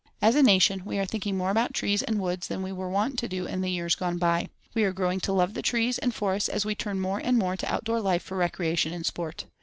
As a nation, we are thinking more about trees and woods than we were wont to do in the years gone by. We are growing to love the trees and forests as we turn more and more to outdoor life for recreation and sport.